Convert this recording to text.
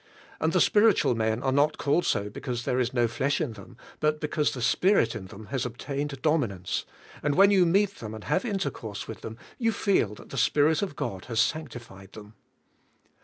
And the spiritual men are not called so because there is no flesh in them, but because the Spirit in them has obtained dominance, and when you meet them and have intercourse with them, you feel that the Spirit of God has sanctified them.